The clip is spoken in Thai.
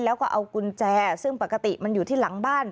แล้วก็เอากุญแจซึ่งปกติมันอยู่ที่หลังบ้าน